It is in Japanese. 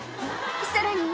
さらに。